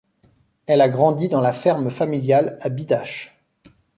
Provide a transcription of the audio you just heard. Elle a grandi dans la ferme familiale à Bidache.